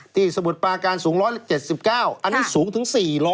ที่สมุดปาการสูง๑๗๙อันนี้สูงถึง๔๕๙